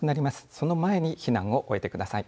その前に避難を終えてください。